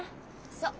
そう！